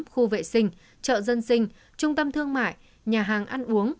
khu vệ sinh chợ dân sinh trung tâm thương mại nhà hàng ăn uống